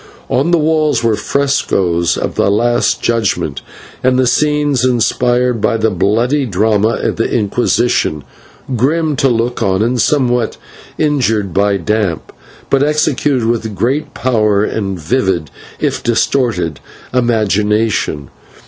On the walls were frescoes of the Last Judgment, and of scenes inspired by the bloody drama of the Inquisition, grim to look on and somewhat injured by damp, but executed with great power and vivid, if distorted, imagination.